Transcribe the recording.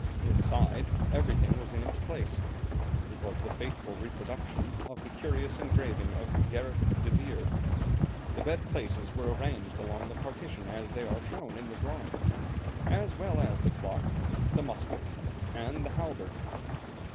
Inside, everything was in its place. It was the faithful reproduction of the curious engraving of Gerrit de Veer. The bed places were arranged along the partition as they are shown in the drawing, as well as the clock, the muskets, and the halberd.